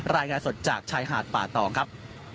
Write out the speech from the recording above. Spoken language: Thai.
รายงานสดจากชายหาดป่าตองครับ